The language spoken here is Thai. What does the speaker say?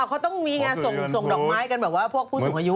เขาต้องมีไงส่งดอกไม้กันแบบว่าพวกผู้สูงอายุ